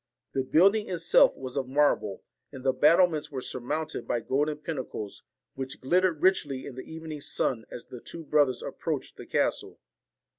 The build ing itself was of marble, and the battlements were surmounted by golden pinnacles, which glittered richly in the evening sun as the two brothers ap proached the castle.